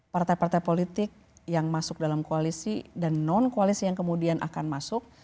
partai partai politik yang masuk dalam koalisi dan non koalisi yang kemudian akan masuk